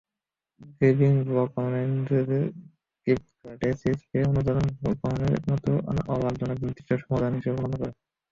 Giving Block অনলাইনে নিজেদের ক্রিপ্টোকারেন্সিকে অনুদান গ্রহণের একমাত্র অলাভজনক নির্দিষ্ট সমাধান হিসেবে বর্ণনা করে।